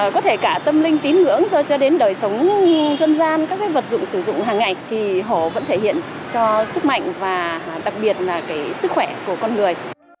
có thể cả tâm linh tín ngưỡng cho đến đời sống dân gian các vật dụng sử dụng hàng ngày thì họ vẫn thể hiện cho sức mạnh và đặc biệt là sức khỏe của con người